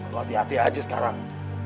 hati hati aja sekarang